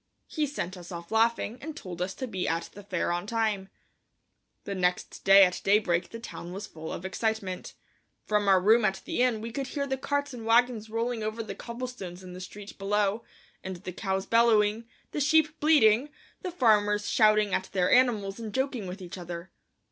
He sent us off laughing and told us to be at the fair on time. The next day at daybreak the town was full of excitement. From our room at the inn we could hear the carts and wagons rolling over the cobblestones in the street below, and the cows bellowing, the sheep bleating, the farmers shouting at their animals and joking with each other.